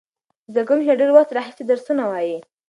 زده کوونکي له ډېر وخت راهیسې درسونه وایي.